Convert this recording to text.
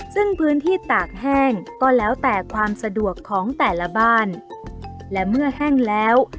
ซึ่งพื้นที่ตากแห้งก็แล้วแต่ความสะดวกของแต่ละบ้านและเมื่อแห้งแล้ว